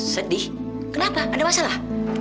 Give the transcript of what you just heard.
sedih kenapa ada masalah